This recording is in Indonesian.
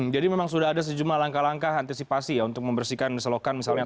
jadi memang sudah ada sejumlah langkah langkah antisipasi untuk membersihkan selokan misalnya